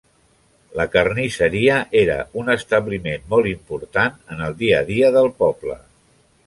La carnisseria era un establiment molt important en el dia a dia del poble.